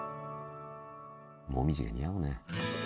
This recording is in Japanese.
紅葉が似合うね。